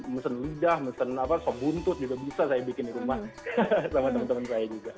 mesin lidah mesin sop buntut juga bisa saya bikin di rumah sama teman teman saya juga